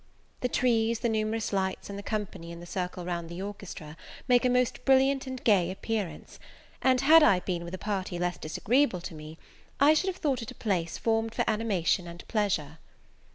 The trees, the numerous lights, and the company in the circle round the orchestra make a most brilliant and gay appearance; and had I been with a party less disagreeable to me, I should have thought it a place formed for animation and pleasure.